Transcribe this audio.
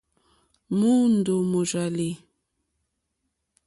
Mòòndó mòrzàlì.